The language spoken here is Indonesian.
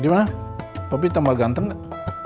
gimana papi tambah ganteng gak